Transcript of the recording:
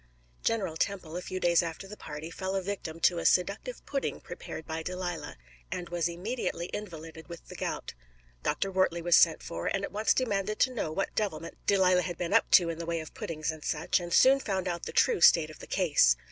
General Temple, a few days after the party, fell a victim to a seductive pudding prepared by Delilah, and was immediately invalided with the gout. Dr. Wortley was sent for, and at once demanded to know what devilment Delilah had been up to in the way of puddings and such, and soon found out the true state of the case.